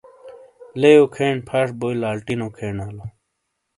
لیئو کھین پھش بو لالٹینو کھین آلو۔